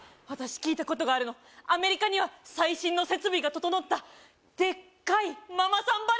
私聞いたことがあるのアメリカには最新の設備が整ったデッカいママさん